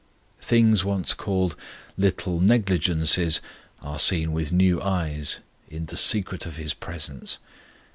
Things once called "little negligences" are seen with new eyes in "the secret of His presence."